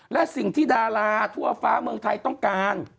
และสิ่งที่ดาราทั่วฟ้าเมืองไทยต้องการ